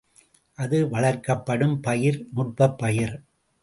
அது வளர்க்கப்படும் பயிர், நுட்பப் பயிர்.